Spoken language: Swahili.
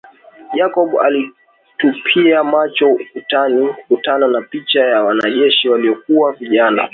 Jacob alitupia macho ukutani akakutana na picha ya wanajeshi waliokuwa vijana